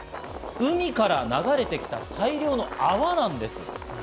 海から流れてきた大量の泡なんです。